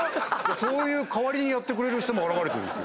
そういう代わりにやってくれる人も現れてるんですよ。